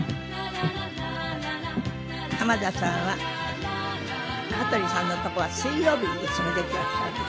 浜田さんは羽鳥さんのとこは水曜日いつも出ていらっしゃるんですね。